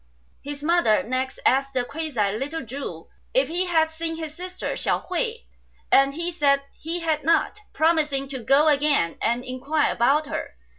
His mother next asked (the quasi) little Chu if he had seen his sister, Hsiao hui; and he said he had not, promising to go again and inquire about her.